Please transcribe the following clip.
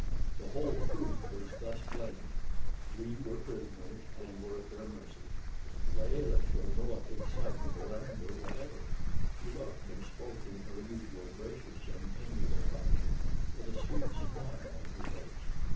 The whole truth was thus plain: we were prisoners, and were at their mercy. Layelah showed no excitement or anger whatever. She looked and spoke in her usual gracious and amiable fashion, with a sweet smile on her face.